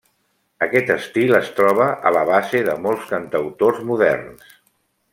Aquest estil es troba a la base de molts cantautors moderns.